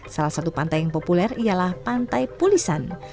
salah satu pantai yang populer ialah pantai pulisan